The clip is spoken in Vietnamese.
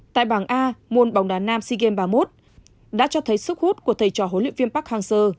tại bảng a môn bóng đá nam sea games ba mươi một đã cho thấy sức hút của thầy trò huấn luyện viên park hang seo